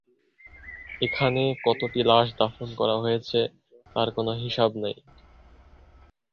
এখানে কতটি লাশ দাফন করা হয়েছে তার কোনো হিসাব নেই।